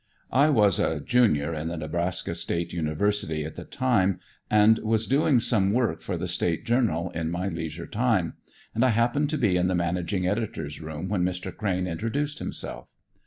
I was a Junior at the Nebraska State University at the time, and was doing some work for the State Journal in my leisure time, and I happened to be in the managing editor's room when Mr. Crane introduced himself.